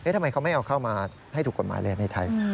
ทำไมเขาไม่เอาเข้ามาให้ถูกกฎหมายเลยในไทย